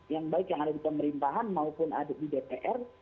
yang baik yang ada di pemerintahan maupun di dpr